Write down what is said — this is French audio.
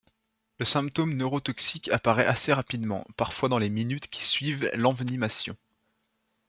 Le symptôme neurotoxique apparait assez rapidement, parfois dans les minutes qui suivent l'envenimation.